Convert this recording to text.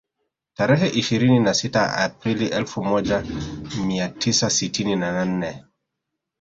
Tarehe ishirini na sita Aprili elfu moja mia tisa sitini na nne